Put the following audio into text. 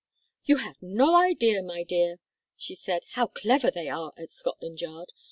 "You have no idea, my dear," she said, "how clever they are at Scotland Yard.